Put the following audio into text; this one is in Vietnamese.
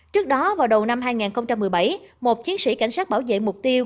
trước đó vào đầu năm hai nghìn một mươi bảy một chiến sĩ cảnh sát bảo vệ mục tiêu